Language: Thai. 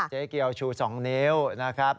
เจ๊เกียวชู๒นิ้วนะครับ